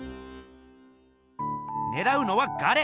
ねらうのは「ガレ」！